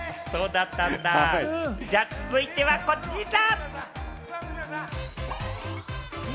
じゃあ続いてはこちら。